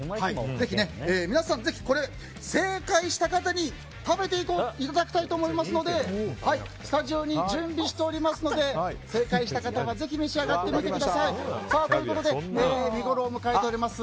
ぜひ皆さん、正解した方に食べていただきたいと思いますのでスタジオに準備しておりますので正解した方はぜひ召し上がってみてください。ということで見ごろを迎えております